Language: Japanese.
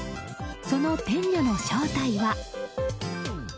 その天女の正体は。